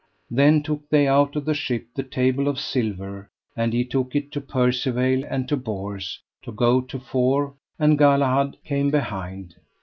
Then took they out of the ship the table of silver, and he took it to Percivale and to Bors, to go to fore, and Galahad came behind.